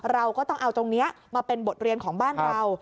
เราก็ต้องเอาตรงนี้มาเป็นบทเรียนของบ้านเรา